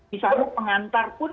bisa pengantar pun